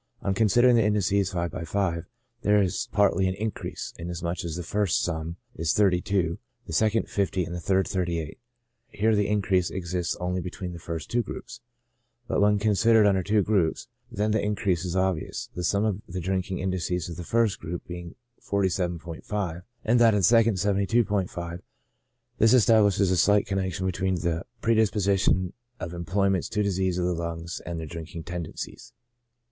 On considering the indices five by five, there is partly an increase, inasmuch as the first sum is 32, the second 50, and the third 33. Here the increase exists only between the first two groups ; but when considered under two groups, then the increase is obvious, the sum of the drinking indices of the first group being 47*5, and that of the second 72*5. This establishes a slight connection between the predispo sition of employments to diseases of the lungs and their drinking tendencies.